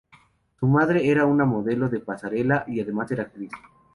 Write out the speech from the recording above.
Su madre era una modelo de pasarela y además era actriz.